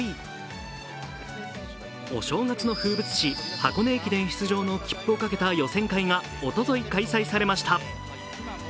お正月の風物詩、箱根駅伝出場の切符をかけた予選会がおととい開催されました。